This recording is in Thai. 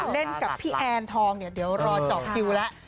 เล่นกับพี่แอนทองเดี๋ยวรอ๒กิโลกรัมแล้ว